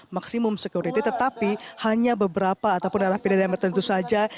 maksimum security tetapi hanya beberapa ataupun darah pidananya tertentu saja